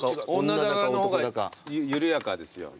女坂の方が緩やかですよ。